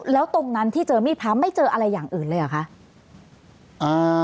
แล้วตรงนั้นที่เจอมีดพระไม่เจออะไรอย่างอื่นเลยเหรอคะ